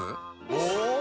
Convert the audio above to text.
お！